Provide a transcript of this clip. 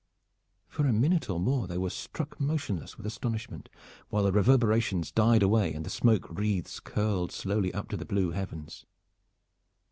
For a minute or more they were struck motionless with astonishment while the reverberations died away and the smoke wreaths curled slowly up to the blue heavens.